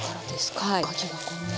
かきがこんなに。